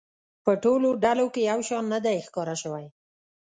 په ټولو ډلو کې یو شان نه دی ښکاره شوی.